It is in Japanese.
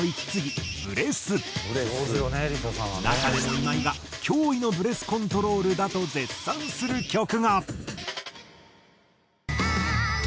中でも今井が驚異のブレスコントロールだと絶賛する曲が。